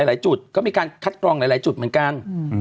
หลายจุดก็มีการคัดกรองหลายจุดเหมือนกัน